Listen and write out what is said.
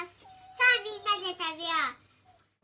さあみんなで食べよう。